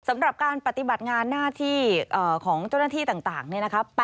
สำหรับการปฏิบัติงานหน้าที่ของเจ้าหน้าที่ต่างเนี่ยนะคะ